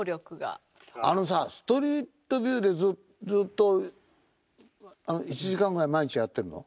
あのさストリートビューでずっと１時間ぐらい毎日やってるの？